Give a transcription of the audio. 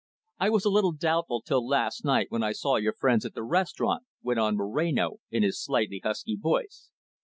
"I was a little doubtful till last night when I saw your friends at the restaurant," went on Moreno, in his slightly husky voice.